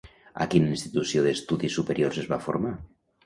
A quina institució d'estudis superiors es va formar?